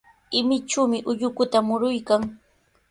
Imichumi ullukuta muruykan.